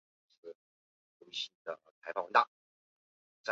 市南端即为富士山的山顶。